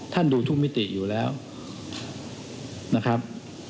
ท่านดูทุกมิติอยู่แล้วนะครับ